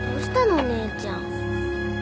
お姉ちゃん。